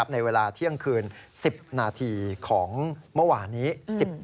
ในเวลาเที่ยงคืน๑๐นาทีของเมื่อวานนี้